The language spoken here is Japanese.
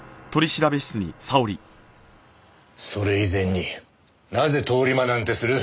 それ以前になぜ通り魔なんてする？